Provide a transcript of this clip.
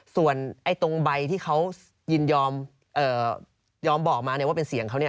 ส่วนไอ้ตรงใบที่เขายินยอมยอมบอกมาเนี่ยว่าเป็นเสียงเขาเนี่ย